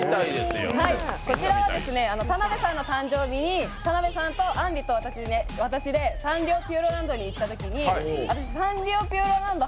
こちらは田辺さんの誕生日に田辺さんとあんりと私でサンリオピューロランドに行ったときに私、サンリオピューロランド